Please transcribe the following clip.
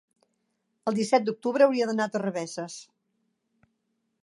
el disset d'octubre hauria d'anar a Torrebesses.